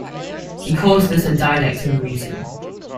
He calls this a dialectic of reason.